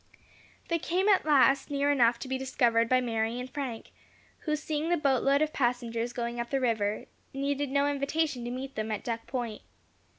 They came at last near enough to be discovered by Mary and Frank, who, seeing the boat load of passengers going up the river, needed no invitation to meet them at Duck Point.